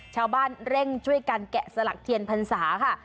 ชาวบ้านเร่งช่วยกันแกะสลักเทียนพรรษาค่ะ